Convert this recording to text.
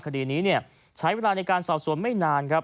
คดีนี้ใช้เวลาในการสอบสวนไม่นานครับ